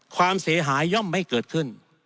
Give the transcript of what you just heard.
ความเสียหายย่อมไม่เกิดขึ้น